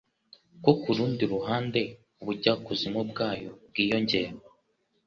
ko kurundi ruhande ubujyakuzimu bwayo bwiyongera